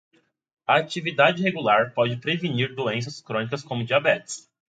A atividade regular pode prevenir doenças crônicas, como diabetes.